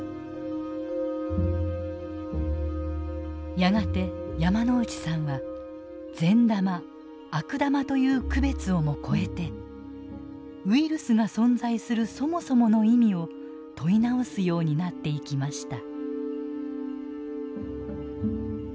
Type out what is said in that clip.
やがて山内さんは善玉・悪玉という区別をも超えてウイルスが存在するそもそもの意味を問い直すようになっていきました。